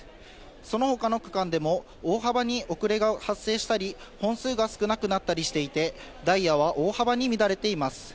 そのほかの区間でも、大幅に遅れが発生したり、本数が少なくなったりしていて、ダイヤは大幅に乱れています。